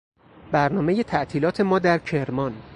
برنامهی تعطیلات ما در کرمان